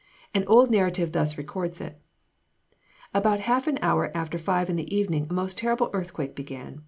An old narrative thus records it: "About half an hour after five in the evening a most terrible earthquake began.